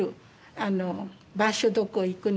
あの場所どこ行くの？